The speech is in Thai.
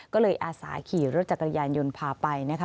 ก็เลยอาสาขี่รถจักรยานยนต์พาไปนะคะ